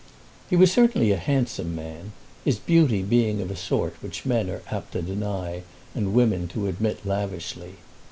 He was certainly a handsome man, his beauty being of a sort which men are apt to deny and women to admit lavishly.